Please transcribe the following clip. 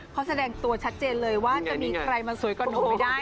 เขาแสดงตัวชัดเจนเลยว่าจะมีใครมาสวยกว่าหนูไม่ได้